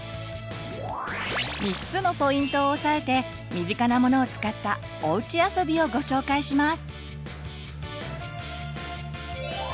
３つのポイントを押さえて身近なものを使ったおうちあそびをご紹介します。